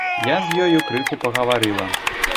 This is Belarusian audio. Я з ёю крыху пагаварыла.